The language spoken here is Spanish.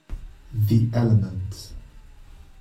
The elements.